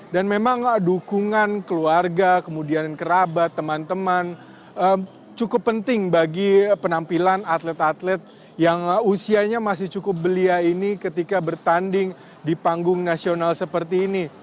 dan memang dukungan keluarga kemudian kerabat teman teman cukup penting bagi penampilan atlet atlet yang usianya masih cukup belia ini ketika bertanding di panggung nasional seperti ini